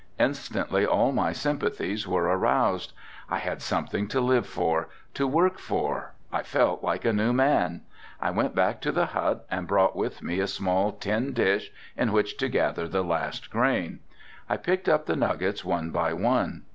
Instantly all my sympathies were aroused. I had something to live for, to work for I felt like a new man. I went back to the hut and brought with me a small tin dish in which to gather the last grain. I picked up the nuggets one by one.